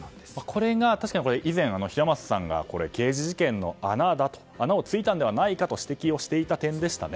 これが以前平松さんが刑事事件の穴を突いたのではないかと指摘した点でしたね。